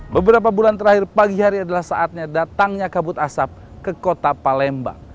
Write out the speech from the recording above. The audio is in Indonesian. beberapa bulan terakhir pagi hari adalah saatnya datangnya kabut asap ke kota palembang